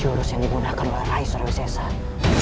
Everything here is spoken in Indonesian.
jurus yang digunakan oleh raden surawi sesasuli